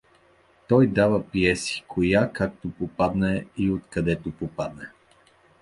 Той дава пиеси коя както попадне и откъдето попадне.